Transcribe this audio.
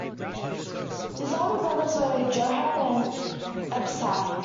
His older brothers were Joab and Abishai.